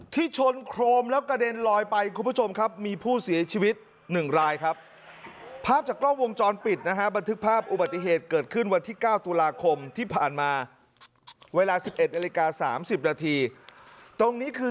ชนโครมแล้วกระเด็นลอยไปคุณผู้ชมครับมีผู้เสียชีวิต๑รายครับภาพจากกล้องวงจรปิดนะฮะบันทึกภาพอุบัติเหตุเกิดขึ้นวันที่๙ตุลาคมที่ผ่านมาเวลา๑๑นาฬิกา๓๐นาทีตรงนี้คือ